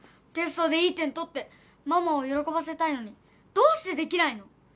テストでいい点取ってママを喜ばせたいのにどうしてできないの？